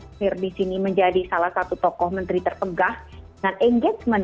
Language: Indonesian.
thohir di sini menjadi salah satu tokoh menteri terpegah dengan engagement